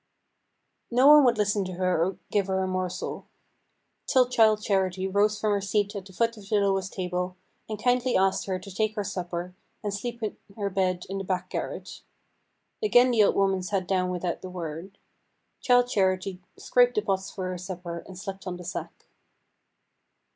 No one would listen to her or give her a morsel, till Childe Charity rose from her seat at the foot of the lowest table, and kindly asked her to take her supper, and sleep in her bed in the back garret. Again the old woman sat down without a word. Childe Charity scraped the pots for her supper, and slept on the sack.